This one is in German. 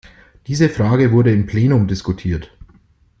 Diese Frage wurde im Plenum diskutiert.